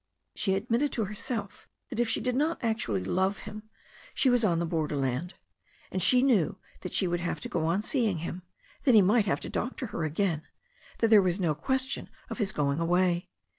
She admitted to herself that if she did not actually love him, she was on the borderland. And she knew that she would have to go on seeing him, that he might have to doctor her again, that there was no question of his going away.